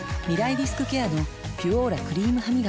リスクケアの「ピュオーラ」クリームハミガキ